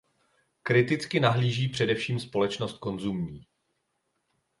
Kriticky nahlíží především společnost konzumní.